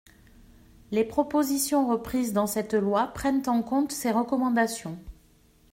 Les propositions reprises dans cette loi prennent en compte ces recommandations.